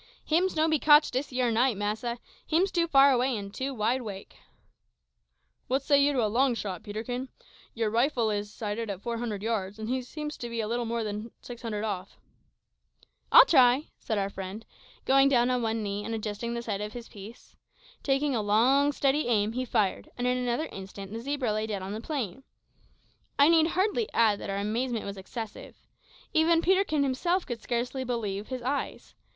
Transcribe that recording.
"Hims no be cotched dis yer night, massa; hims too far away an' too wide 'wake." "What say you to a long shot, Peterkin? Your rifle is sighted for four hundred yards, and he seems to be little more than six hundred off." "I'll try," said our friend, going down on one knee and adjusting the sight of his piece. Taking a long, steady aim, he fired, and in another instant the zebra lay dead on the plain. I need hardly add that our amazement was excessive. Even Peterkin himself could scarcely believe his eyes.